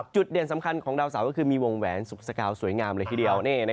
จุดเด่นสำคัญของดาวเสาร์ก็คือมีวงแหวนสุขสกาวสวยงามเลยทีเดียว